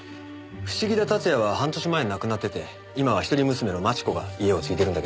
伏木田辰也は半年前に亡くなってて今は一人娘の真智子が家を継いでるんだけどね。